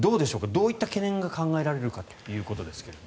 どういった懸念が考えられるかということですが。